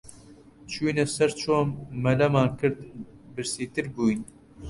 چووینە سەر چۆم، مەلەمان کرد، برسیتر بووین